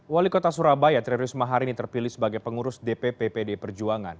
wali kota surabaya tri risma hari ini terpilih sebagai pengurus dpp pdi perjuangan